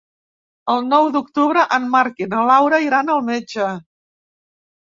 El nou d'octubre en Marc i na Laura iran al metge.